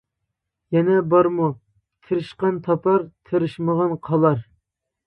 يەنە بارمۇ؟ تىرىشقان تاپار، تىرىشمىغان قالار!